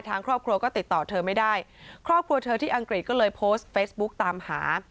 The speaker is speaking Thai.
ทางครอบครัวก็ติดต่อเธอไม่ได้ครอบครัวเธอที่อังกฤษก็เลยโพสต์เฟซบุ๊กตามหา